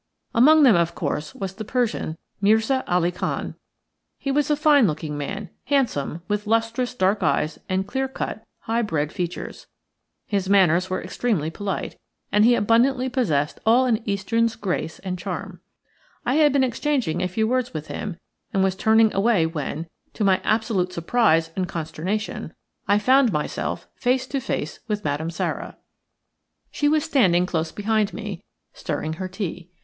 Among them, of course, was the Persian, Mirza Ali Khan. He was a fine looking man, handsome, with lustrous dark eyes and clear cut, high bred features. His manners were extremely polite, and he abundantly possessed all an Eastern's grace and charm. I had been exchanging a few words with him, and was turning away when, to my absolute surprise and consternation, I found myself face to face with Madame Sara. She was standing close behind me, stirring her tea.